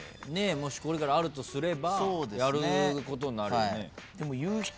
もしこれからあるとすればやることになるよね。